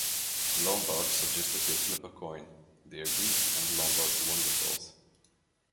Lombard suggested they flip a coin; they agreed and Lombard won the toss.